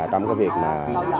trong cái việc mà